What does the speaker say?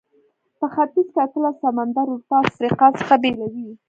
په ختیځ کې اطلس سمندر اروپا او افریقا څخه بیلوي.